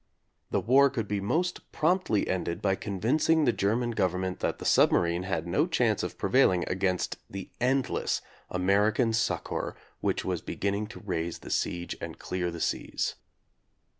The war could be most promptly ended by convincing the German government that the submarine had no chance of prevailing against the endless American succor which was beginning to raise the siege and clear the seas.